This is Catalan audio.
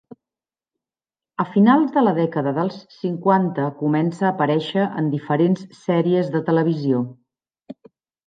A finals de la dècada dels cinquanta comença a aparèixer en diferents sèries de televisió.